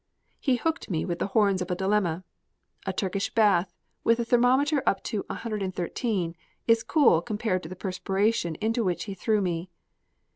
He hooked me with the horns of a dilemma. A Turkish bath, with the thermometer up to 113, is cool compared to the perspiration into which he threw me.